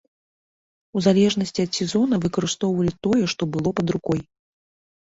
У залежнасці ад сезона выкарыстоўвалі тое, што было пад рукой.